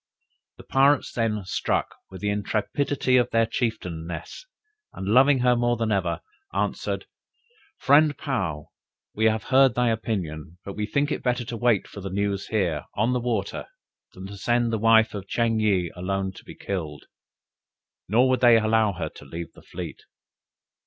The pirates, then, struck with the intrepidity of their chieftainess, and loving her more than ever, answered, "Friend Paou, we have heard thy opinion, but we think it better to wait for the news here, on the water, than to send the wife of Ching yih alone to be killed." Nor would they allow her to leave the fleet.